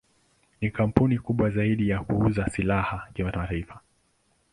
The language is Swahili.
Ni kampuni kubwa zaidi ya kuuza silaha kimataifa.